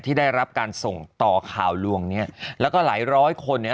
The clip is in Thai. ที่ได้รับการส่งต่อข่าวลวงเนี้ยแล้วก็หลายร้อยคนเนี่ย